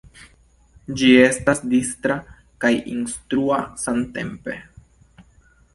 Ĝi estas distra kaj instrua samtempe.